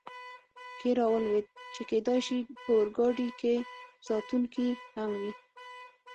کې را ولوېد، چې کېدای شي په اورګاډي کې ساتونکي هم وي.